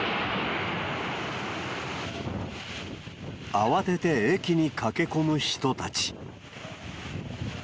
慌てて駅に駆け込む人たち。